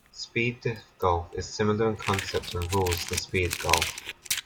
Speed disc golf is similar in concept and rules to speed golf.